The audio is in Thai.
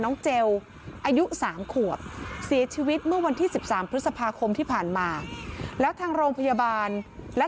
เจลอายุ๓ขวบเสียชีวิตเมื่อวันที่๑๓พฤษภาคมที่ผ่านมาแล้วทางโรงพยาบาลและ